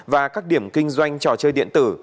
và các điểm kinh doanh trò chơi điện tử